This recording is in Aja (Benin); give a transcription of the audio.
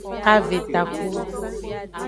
Kave takpu.